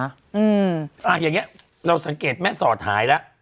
อันที่อย่างนี้เราสังเกตแม่สอดหายละ